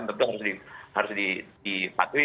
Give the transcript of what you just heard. tentu harus dipatuhi